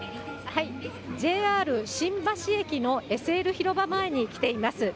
ＪＲ新橋駅のＳＬ広場前に来ています。